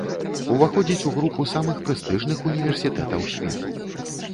Уваходзіць у групу самых прэстыжных універсітэтаў свету.